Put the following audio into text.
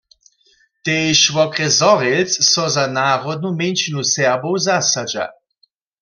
Tež wokrjes Zhorjelc so za narodnu mjeńšinu Serbow zasadźa.